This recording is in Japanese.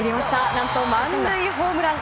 何と満塁ホームラン！